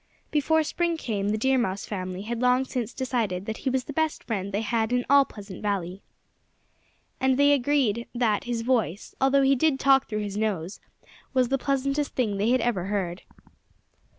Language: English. Before spring came the Deer Mouse family had long since decided that he was the best friend they had in all Pleasant Valley. And they all agreed that his voice, although he did talk through his nose, was the pleasantest they had ever heard.